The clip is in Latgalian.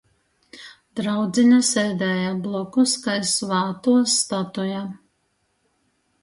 Draudzine sēdēja blokus kai svātuos statuja.